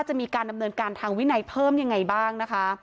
จะมีการดำเนินการทางวินัยเพิ่มยังไงบ้างนะคะ